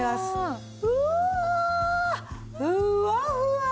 うわあふわふわ！